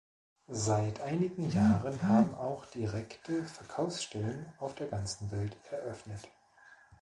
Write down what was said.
Seit einigen Jahren haben auch direkte Verkaufsstellen auf der ganzen Welt eröffnet.